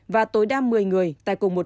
và tối đa một mươi người tại cùng một